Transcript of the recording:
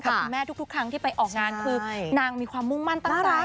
คุณแม่ทุกครั้งที่ไปออกงานคือนางมีความมุ่งมั่นตั้งใจ